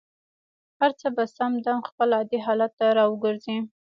هر څه به سم دم خپل عادي حالت ته را وګرځي.